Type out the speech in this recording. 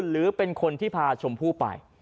หรือเป็นคนที่พาชมพู่ไป